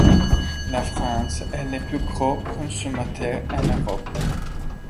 La France est le plus gros consommateur en Europe.